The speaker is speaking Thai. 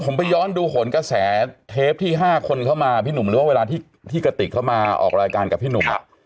ผมไปย้อนดูผลกระแสเทปที่๕คนเข้ามาพี่หนุ่มหรือว่าเวลาที่กระติกเขามาออกรายการกับพี่หนุ่ม